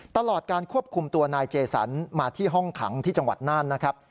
ตลอดการควบคุมตัวนายเจสันมาที่ห้องขังที่จังหวัดน่านนะครับ